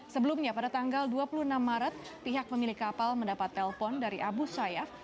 sebelumnya pada tanggal dua puluh enam maret pihak pemilik kapal mendapat telpon dari abu sayyaf